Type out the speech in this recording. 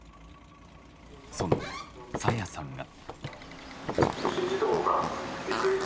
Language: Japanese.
その朝芽さんが。